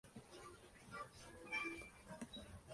Las enfermedades infecciosas son transmitidas de muchas formas.